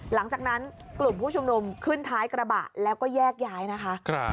หลังจากนั้นกลุ่มผู้ชุมนุมขึ้นท้ายกระบะแล้วก็แยกย้ายนะคะ